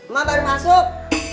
mak baru masuk